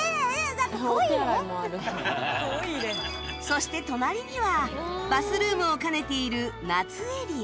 そして隣にはバスルームを兼ねている夏エリア